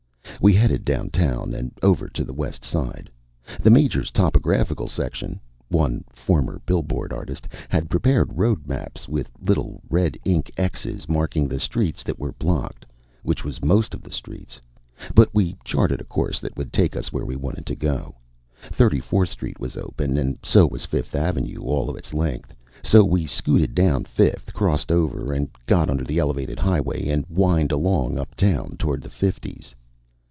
We headed downtown and over to the West Side. The Major's Topographical Section one former billboard artist had prepared road maps with little red ink Xs marking the streets that were blocked, which was most of the streets; but we charted a course that would take us where we wanted to go. Thirty fourth Street was open, and so was Fifth Avenue all of its length, so we scooted down Fifth, crossed over, got under the Elevated Highway and whined along uptown toward the Fifties.